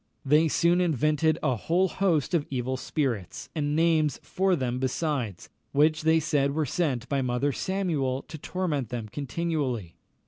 They soon invented a whole host of evil spirits, and names for them besides, which they said were sent by Mother Samuel to torment them continually.